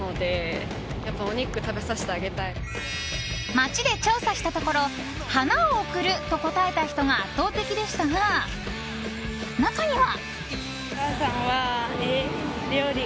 街で調査したところ花を贈ると答えた人が圧倒的でしたが、中には。